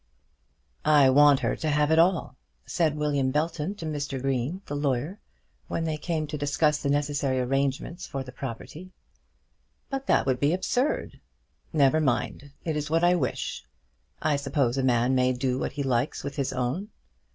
"I want her to have it all," said William Belton to Mr. Green, the lawyer, when they came to discuss the necessary arrangements for the property. "But that would be absurd." "Never mind. It is what I wish. I suppose a man may do what he likes with his own."